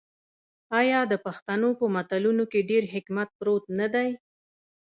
آیا د پښتنو په متلونو کې ډیر حکمت پروت نه دی؟